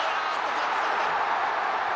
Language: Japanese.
キャッチされた。